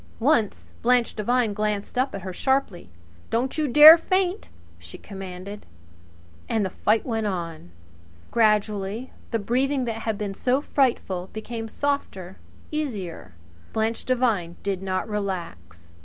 Once Blanche Devine glanced up at her sharply. "Don't you dare faint!" she commanded. And the fight went on. Gradually the breathing that had been so frightful became softer, easier. Blanche Devine did not relax.